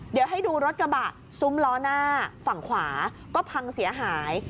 เดี๋ยวให้ดูรถกระบะซุ้มล้อหน้าฝั่งขวาก็พังเสียหาย